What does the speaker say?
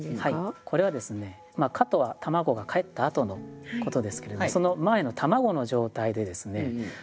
これはですね蝌蚪は卵がかえったあとのことですけれどもその前の卵の状態でですね